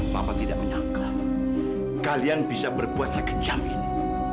mama tidak menyangka kalian bisa berbuat sekejap ini